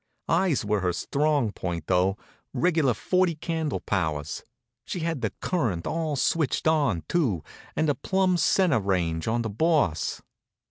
Eyes were her strong point, though regular forty candle powers. She had the current all switched on, too, and a plumb centre range on the Boss.